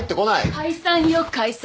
解散よ解散！